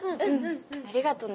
ありがとね。